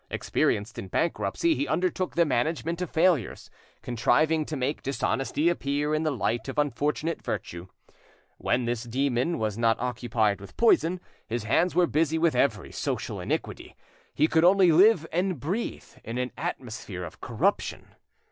Experienced in bankruptcy, he undertook the management of failures, contriving to make dishonesty appear in the light of unfortunate virtue. When this demon was not occupied with poison, his hands were busy with every social iniquity; he could only live and breathe in an atmosphere of corruption.